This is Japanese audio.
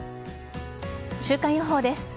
週間予報です。